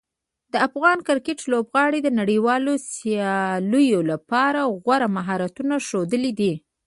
د افغان کرکټ لوبغاړو د نړیوالو سیالیو لپاره غوره مهارتونه ښودلي دي.